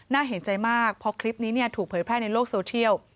เห็นใจมากพอคลิปนี้ถูกเผยแพร่ในโลกโซเทียล